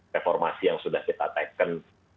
reformasi yang sudah kita teken